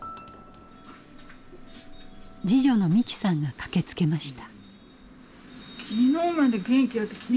次女の美紀さんが駆けつけました。